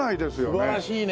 素晴らしいね。